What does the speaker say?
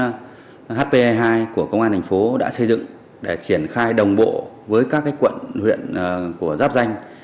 chúng tôi sẽ kết hợp với phòng cảnh sát hình sự và phương án hpe hai của công an thành phố đã xây dựng để triển khai đồng bộ với các quận huyện của giáp danh